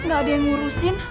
gak ada yang ngurusin